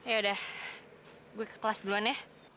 yaudah gua ke kelas duluan ya